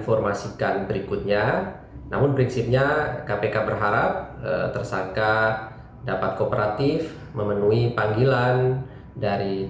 perlu kami tegaskan proses penyidikan yang kpk lakukan ini